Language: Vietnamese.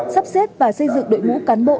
sắp xếp và xây dựng đội ngũ cán bộ